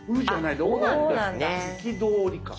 「いきどおり」か。